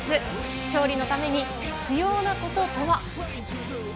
勝利のために必要なこととは。